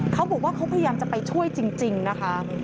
เขาบอกว่าเขาพยายามจะไปช่วยจริงนะคะ